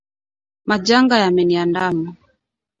Majanga yameniandama